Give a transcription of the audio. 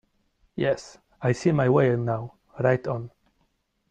Yes, I see my way now, right on.